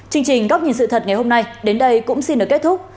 chương trình góc nhìn sự thật ngày hôm nay đến đây cũng xin được kết thúc